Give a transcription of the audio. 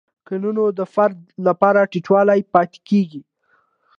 که نه نو د فرد لپاره ټیټوالی پاتې کیږي.